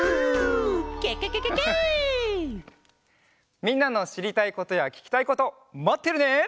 みんなのしりたいことやききたいことまってるね！